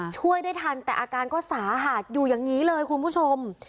ช่วยได้ทันแต่อาการก็สาหัสอยู่อย่างนี้เลยคุณผู้ชม